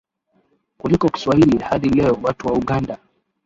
kuliko Kiswahili hadi leo Watu wa Uganda